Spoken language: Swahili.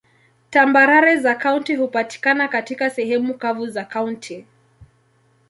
Tambarare za kaunti hupatikana katika sehemu kavu za kaunti.